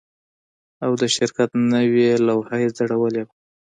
او د شرکت نوې لوحه یې ځړولې وه